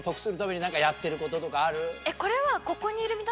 これは。